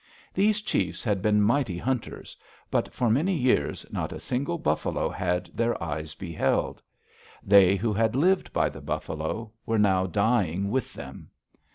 These chiefs had been mighty hunters. But for many years not a single buffalo had their eyes beheld. They who had lived by the buffalo were now dying with them.